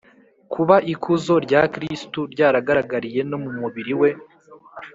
kuba ikuzo rya kristu ryaragaragariye no mu mubiri we